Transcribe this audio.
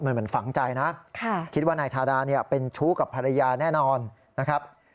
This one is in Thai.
เหมือนฝังใจนะคิดว่านายทาดาเป็นชู้กับภรรยาแน่นอนนะครับ